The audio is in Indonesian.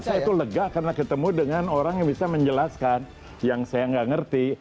saya itu lega karena ketemu dengan orang yang bisa menjelaskan yang saya nggak ngerti